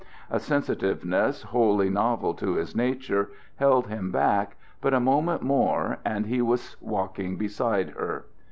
A sensitiveness wholly novel to his nature held him back, but a moment more and he was walking beside her.